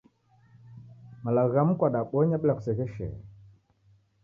Malagho ghamu kwadabonya bila kusegheshere